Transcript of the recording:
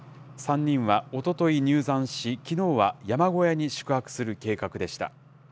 ３人はおととい入山し、きのうは山小屋に宿泊する計画でした。